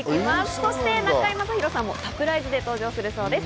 そして中居正広さんもサプライズで登場するそうです。